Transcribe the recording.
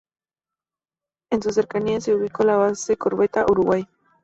En sus cercanías se ubicó la base Corbeta Uruguay.